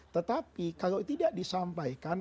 tetapi kalau tidak disampaikan